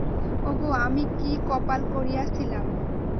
ওগো, আমি কী কপাল করিয়াছিলাম।